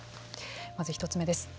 まず１つ目です。